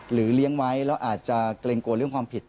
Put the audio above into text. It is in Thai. เลี้ยงไว้แล้วอาจจะเกรงกลัวเรื่องความผิด